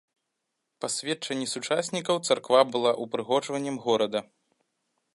Па сведчанні сучаснікаў, царква была упрыгожваннем горада.